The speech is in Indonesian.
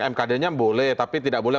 mkd nya boleh tapi tidak boleh